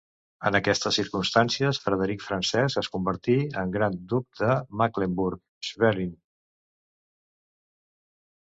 En aquestes circumstàncies, Frederic Francesc es convertí en gran duc de Mecklenburg-Schwerin.